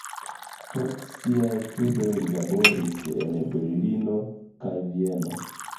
Post siaj studoj li laboris en Berlino kaj Vieno.